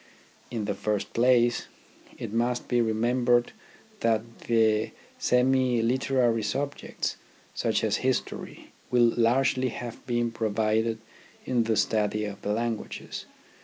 In the first place, it must be remembered that the semi literary subjects, such as history, will largely have been provided in the study of the languages.